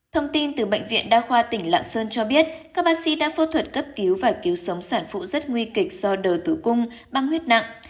thông tin từ bệnh viện đa khoa tỉnh lạng sơn cho biết các bác sĩ đã phẫu thuật cấp cứu và cứu sống sản phụ rất nguy kịch do đờ tử cung băng huyết nặng